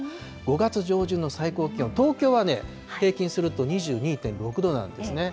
５月上旬の最高気温、東京はね、平均すると２２．６度なんですね。